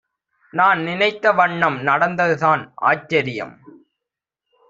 நான்நினைத்த வண்ணம் நடந்ததுதான் ஆச்சரியம்.